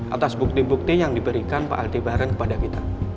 atas bukti bukti yang diberikan pak aldebaran kepada kita